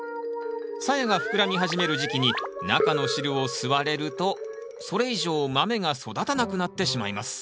さやが膨らみ始める時期に中の汁を吸われるとそれ以上豆が育たなくなってしまいます。